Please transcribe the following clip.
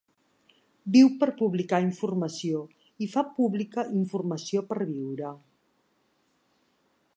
Viu per publicar informació i fa pública informació per viure.